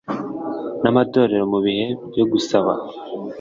n’amatorero mu bihe byo gusaba